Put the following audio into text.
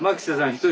１人。